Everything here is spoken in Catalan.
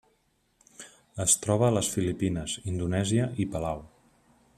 Es troba a les Filipines, Indonèsia i Palau.